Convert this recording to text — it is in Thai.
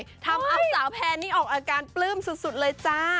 อ้าวเตรียมเอาแสงเท่านี้ออกอาการเปลื้มสุดเลยจ้า